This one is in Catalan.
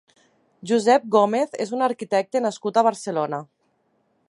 Josep Gómez és un arquitecte nascut a Barcelona.